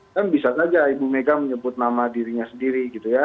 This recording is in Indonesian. kan bisa saja ibu mega menyebut nama dirinya sendiri gitu ya